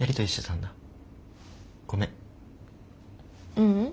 ううん。